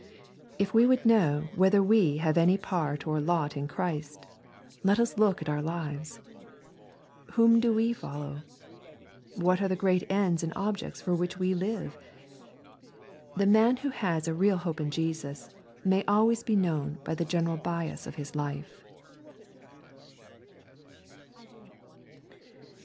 If we would know whether we have any part or lot in Christ, let us look at our lives. Whom do we follow ? What are the great ends and objects for which we live ? The man who has a real hope in Jesus, may always be known by the general bias of his life.